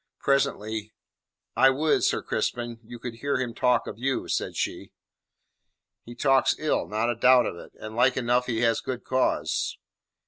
Presently: "I would, Sir Crispin, you could hear him talk of you," said she. "He talks ill, not a doubt of it, and like enough he has good cause."